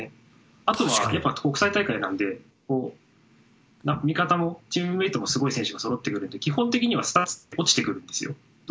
あと国際大会なんで味方のチームメートもすごい選手がそろっているので基本的にはスタッツ落ちてくるんですよ。